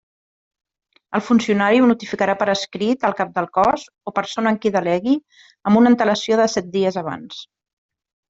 El funcionari ho notificarà per escrit al Cap del Cos o persona en qui delegui amb una antelació de set dies abans.